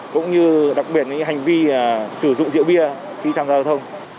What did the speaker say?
cũng như đặc biệt những hành vi sử dụng rượu bia khi trang giao thông